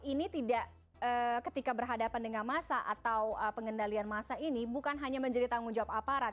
ini tidak ketika berhadapan dengan massa atau pengendalian massa ini bukan hanya menjadi tanggung jawab aparat